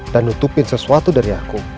dan nutupin sesuatu dari aku